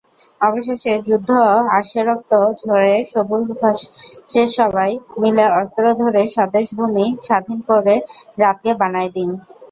অবশেষে যুদ্ধ আসেরক্ত ঝরে সবুজ ঘাসেসবাই মিলে অস্ত্র ধরেস্বদেশ-ভূমি স্বাধীন করেরাতকে বানায় দিন।